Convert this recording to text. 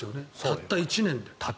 たった１年で。